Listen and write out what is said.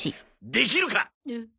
できるか！